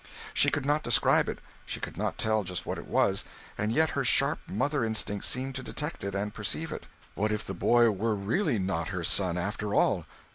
She could not describe it, she could not tell just what it was, and yet her sharp mother instinct seemed to detect it and perceive it. What if the boy were really not her son, after all?